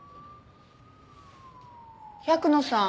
百野さん？